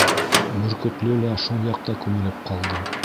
Бөркөтлө лә шул яҡта күмелеп ҡалды.